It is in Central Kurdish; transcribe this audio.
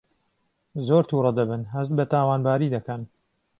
زۆر تووڕە دەبن هەست بە تاوانباری دەکەن